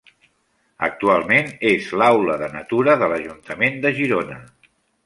Actualment és l'aula de Natura de l'ajuntament de Girona.